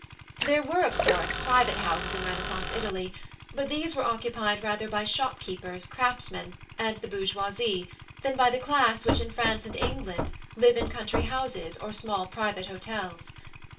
There were, of course, private houses in Renaissance Italy, but these were occupied rather by shopkeepers, craftsmen, and the bourgeoisie than by the class which in France and England lived in country houses or small private hôtels.